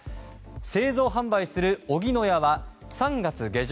製造・販売する荻野屋は３月下旬